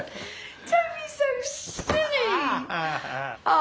あ！